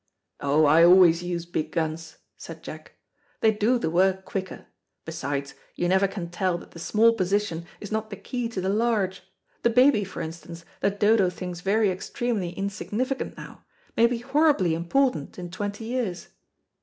"Oh, I always use big guns," said Jack. "They do the work quicker. Besides, you never can tell that the small position is not the key to the large. The baby, for instance, that Dodo thinks very extremely insignificant now, may be horribly important in twenty years."